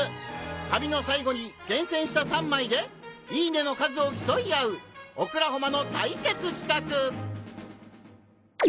旅の最後に厳選した３枚で「いいね！」の数を競い合う『オクラホマ』の対決企画！